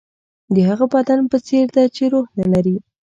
د هغه بدن په څېر ده چې روح نه لري.